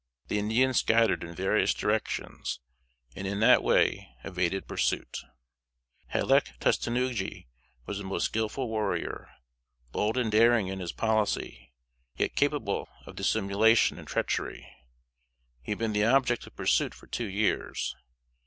The Indians scattered in various directions, and in that way evaded pursuit. Halec Tustenuggee was a most skillful warrior: bold and daring in his policy, yet capable of dissimulation and treachery. He had been the object of pursuit for two years.